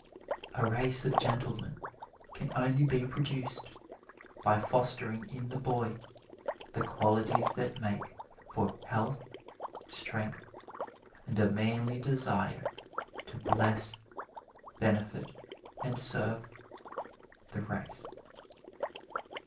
A race of gentlemen can only be produced by fostering in the boy the qualities that make for health, strength and a manly desire to bless, benefit and serve the race."